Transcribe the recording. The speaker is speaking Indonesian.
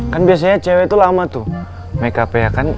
kan biasanya cewek tuh lama tuh makeupnya kan